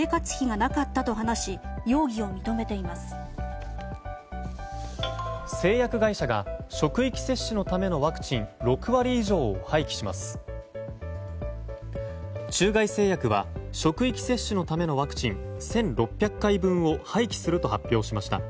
中外製薬は職域接種のためのワクチン１６００回分を廃棄すると発表しました。